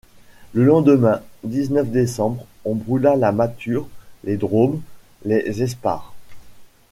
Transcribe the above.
Le lendemain, dix-neuf décembre, on brûla la mâture, les dromes, les esparres.